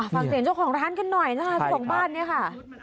ฟังเสียงเจ้าของร้านกันหน่อยนะคะเจ้าของบ้านเนี่ยค่ะ